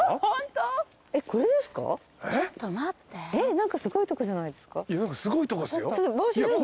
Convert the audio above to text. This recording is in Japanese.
何かすごいとこじゃないですか？